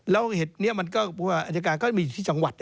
และเหตุนี้มันก็เพราะว่าอาจารย์การก็อยู่ที่จังหวัด